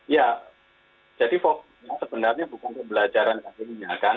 ya jadi fokusnya sebenarnya bukan pembelajaran hakimnya kan